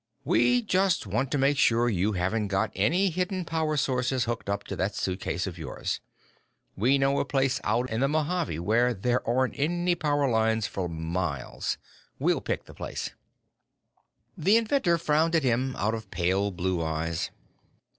"We just want to make sure you haven't got any hidden power sources hooked up to that suitcase of yours. We know a place out in the Mojave where there aren't any power lines for miles. We'll pick the place." The inventor frowned at him out of pale blue eyes.